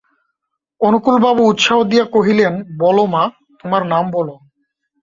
অনুকূলবাবু উৎসাহ দিয়া কহিলেন, বলো মা, তোমার নাম বলো।